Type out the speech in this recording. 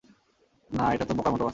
না, এটা তো বোকার মত কথা।